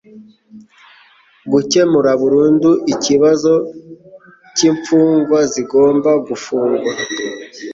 gukemura burundu ikibazo cy imfungwa zigomba gufungwa